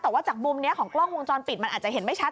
แต่ว่าจากมุมนี้ของกล้องวงจรปิดมันอาจจะเห็นไม่ชัด